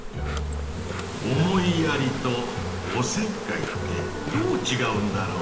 「思いやり」と「おせっかい」ってどうちがうんだろうねぇ？